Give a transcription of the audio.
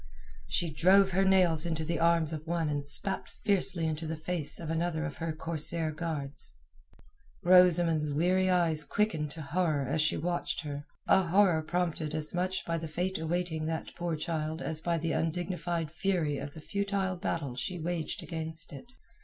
She drove her nails into the arms of one and spat fiercely into the face of another of her corsair guards. Rosamund's weary eyes quickened to horror as she watched her—a horror prompted as much by the fate awaiting that poor child as by the undignified fury of the futile battle she waged against it.